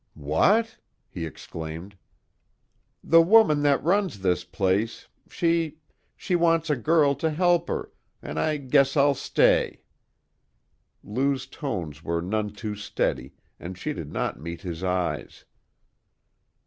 "What!" he exclaimed. "The woman that runs this place, she she wants a girl to help her, an' I guess I'll stay." Lou's tones were none too steady, and she did not meet his eyes.